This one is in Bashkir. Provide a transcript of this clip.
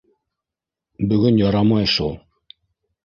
Бөгөн ярамай шул.